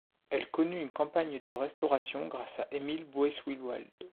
Elle connut une campagne de restauration grâce à Émile Boeswillwald.